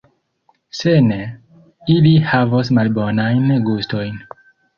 Se ne, ili havos malbonajn gustojn.